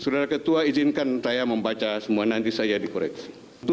saudara ketua izinkan saya membaca semua nanti saya dikoreksi